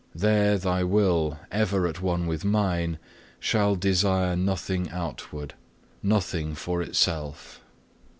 There thy will, ever at one with Mine, shall desire nothing outward, nothing for itself.